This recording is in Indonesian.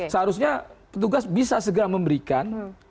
seharusnya petugas bisa segera memberikan